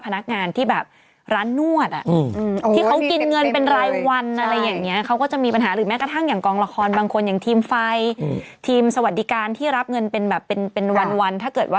พนักงานที่แบบล้านนวดอ่ะ